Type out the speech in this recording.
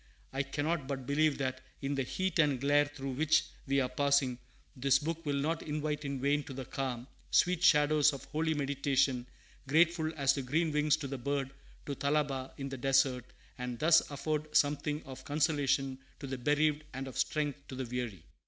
I cannot but believe that, in the heat and glare through which we are passing, this book will not invite in vain to the calm, sweet shadows of holy meditation, grateful as the green wings of the bird to Thalaba in the desert; and thus afford something of consolation to the bereaved, and of strength to the weary.